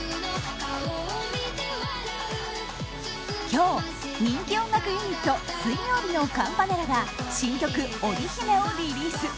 今日、人気音楽ユニット水曜日のカンパネラが新曲「織姫」をリリース。